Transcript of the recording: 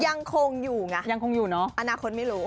ยังคงอยู่ไงยังคงอยู่เนอะอนาคตไม่รู้